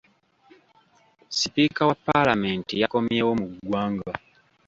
Sipiika wa paalamenti yakomyewo mu ggwanga.